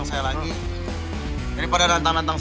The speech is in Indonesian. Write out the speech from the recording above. nggak nggak ditelan tenang